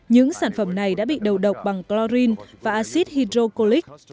những sản phẩm này đã bị đầu độc bằng chlorine và acid hydrochloric